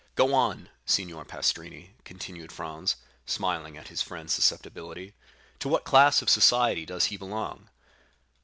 "Go on, Signor Pastrini," continued Franz, smiling at his friend's susceptibility. "To what class of society does he belong?"